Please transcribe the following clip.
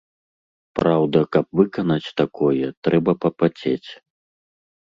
Праўда, каб выканаць такое, трэба папацець.